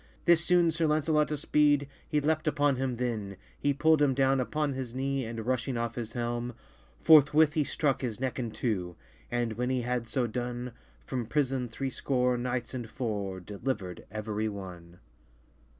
This soone Sir Lancelot espyde, He leapt upon him then, He pull'd him downe upon his knee, And rushing off his helm, Forthwith he strucke his necke in two, And, when he had soe done, From prison threescore knights and four Delivered everye one.